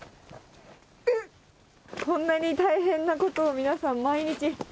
こんなに大変なことを皆さん、毎日。